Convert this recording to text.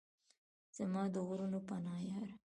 زما د غرونو پناه یاره!